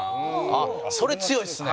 あっそれ強いですね。